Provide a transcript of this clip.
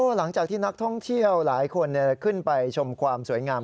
หลังจากที่นักท่องเที่ยวหลายคนขึ้นไปชมความสวยงาม